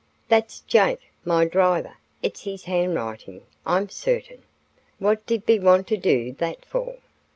"That's Jake, my driver; it's his handwriting I'm certain. What did be want to do that for?